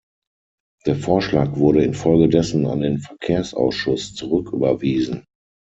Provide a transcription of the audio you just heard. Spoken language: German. Der Vorschlag wurde infolgedessen an den Verkehrsausschuss zurücküberwiesen.